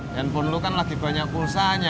handphone lu kan lagi banyak pulsanya